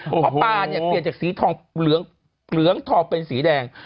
เพราะปลาเนี่ยเปลี่ยนจากสีเหลืองทองเป็นสีแดง